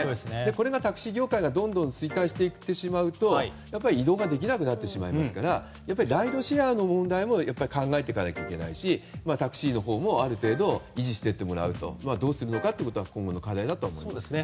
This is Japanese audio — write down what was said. これが、タクシー業界がどんどん衰退していってしまうと移動ができなくなってしまいますからライドシェアの問題も考えていかなきゃいけないしタクシーのほうもある程度維持していってもらうとどうするのかということが今後の課題だと思います。